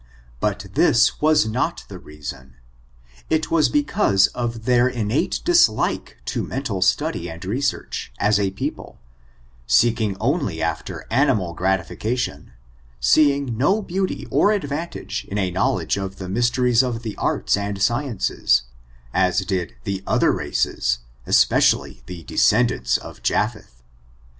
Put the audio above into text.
But this was not the reason ; it was because of their innate dislike to mental study and research, as a people ; seeking only after animal gratification, see ing no beauty or advantage in a knowledge of the mysteries of the arts and sciences, as did the other races, especially the descendants of Japheth.